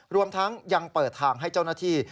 รวมทั้งยังเปิดทางให้เจ้าหน้าที่